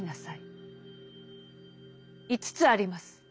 『五つあります。